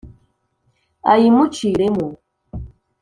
ay imucire mo